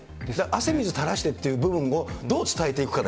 汗水たらしてっていう部分をどうですよね。